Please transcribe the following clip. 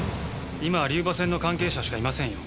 今は龍馬戦の関係者しかいませんよ。